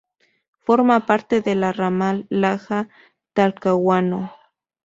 Forma parte del ramal Laja-Talcahuano.